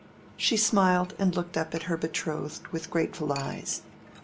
She smiled and looked up at her betrothed with grateful eyes.